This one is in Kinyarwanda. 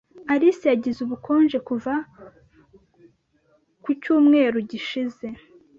Alice yagize ubukonje kuva ku cyumweru gishize.